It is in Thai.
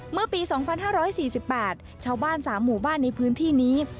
เมื่อปีสองพันห้าร้อยสี่สิบแปดชาวบ้านสามหมู่บ้านในพื้นที่นี้